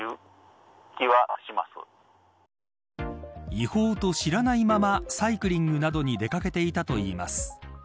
違法と知らないままサイクリングなどに出掛けていたといいます。